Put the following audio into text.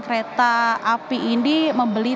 kereta api ini membeli